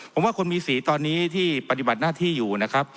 ผมว่าคนมีสีตอนนี้ที่ปฏิบัติหน้าที่อยู่นะครับ